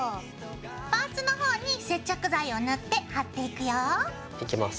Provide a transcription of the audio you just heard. パーツのほうに接着剤を塗って貼っていくよ。いきます。